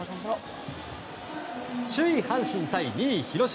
首位、阪神対２位、広島。